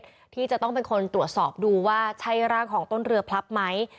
ต้องเป็นที่จะต้องตรวจสอบดูว่าใช้ร่างของต้นเรือพลับไหม